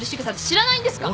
知らないんですか？